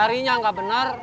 nyarinya nggak benar